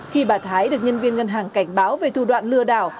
khi bà thái được nhân viên ngân hàng cảnh báo về thủ đoạn lừa đảo